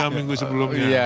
tiga minggu sebelumnya